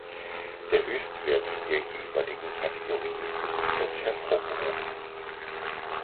Der Höchstwert der jeweiligen Kategorie ist fett hervorgehoben.